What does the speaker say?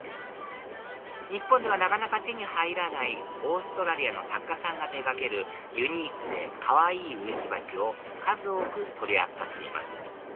日本ではなかなか手に入らないオーストラリアの作家さんが手掛けるユニークでかわいい植木鉢を数多く取り扱っています